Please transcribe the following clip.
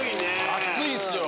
熱いんすよ！